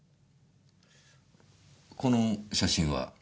この写真は？